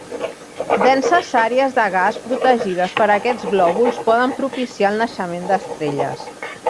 Denses àrees de gas protegides per aquests glòbuls poden propiciar el naixement d'estrelles.